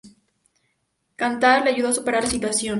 Cantar le ayudó a superar la situación.